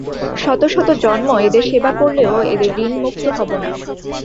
শত শত জন্ম এদের সেবা করলেও এদের ঋণমুক্ত হব না।